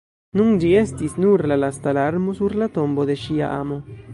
Nun ĝi estis nur la lasta larmo sur la tombo de ŝia amo!